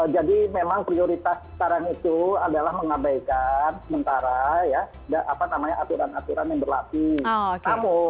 jadi memang prioritas sekarang itu adalah mengabaikan sementara aturan aturan yang berlaku